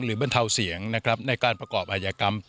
หรือบรรเทาเสียงในการประกอบอัยกรรม